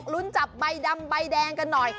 ลุ้นจับใบดำใบแดงกันหน่อย